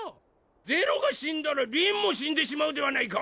是露が死んだらりんも死んでしまうではないか！